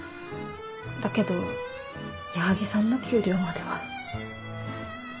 だけど矢作さんの給料までは。